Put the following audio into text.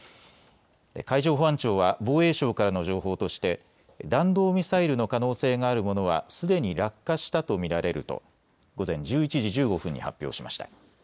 海上保安庁は防衛省からの情報として弾道ミサイルの可能性があるものはすでに落下したと見られると午前１１時１５分に発表しました。